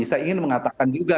saya ingin mengatakan juga